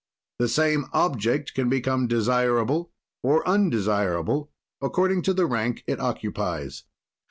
"The same object can become desirable or undesirable according to the rank it occupies.